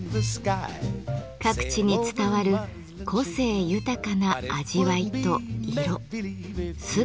各地に伝わる個性豊かな味わいと色姿形。